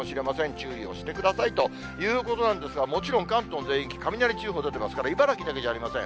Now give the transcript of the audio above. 注意をしてくださいということなんですが、もちろん関東全域雷注意報出てますから、茨城だけではありません。